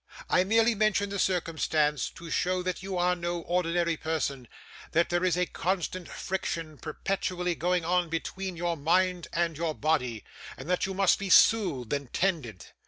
I merely mention the circumstance to show that you are no ordinary person, that there is a constant friction perpetually going on between your mind and your body; and that you must be soothed and tended.